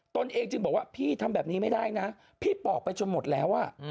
ตนเองจึงบอกว่าพี่ทำแบบนี้ไม่ได้นะพี่ปอกไปจนหมดแล้ว